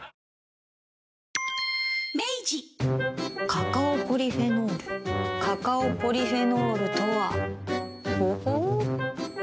カカオポリフェノールカカオポリフェノールとはほほう。